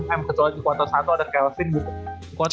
emang kecuali di kuartal satu ada kelvin gitu